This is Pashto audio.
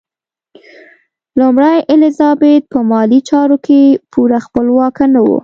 لومړۍ الیزابت په مالي چارو کې پوره خپلواکه نه وه.